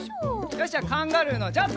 よしじゃあカンガルーのジャンプ！